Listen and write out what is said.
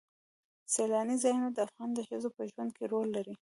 سیلاني ځایونه د افغان ښځو په ژوند کې رول لري.